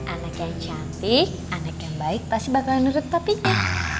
anak yang cantik anak yang baik pasti bakalan menurut topiknya